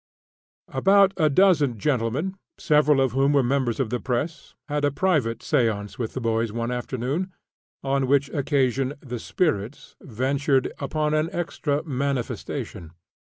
About a dozen gentlemen several of whom were members of the press had a private séance with the boys one afternoon, on which occasion "the spirits" ventured upon an extra "manifestation."